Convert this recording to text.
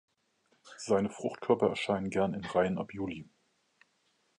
Seine Fruchtkörper erscheinen gern in Reihen ab Juli.